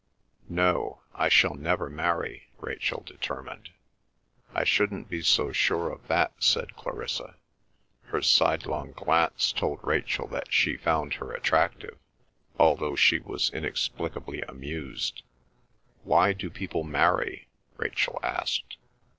"No. I shall never marry," Rachel determined. "I shouldn't be so sure of that," said Clarissa. Her sidelong glance told Rachel that she found her attractive although she was inexplicably amused. "Why do people marry?" Rachel asked.